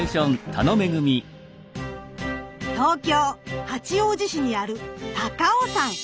東京・八王子市にある高尾山。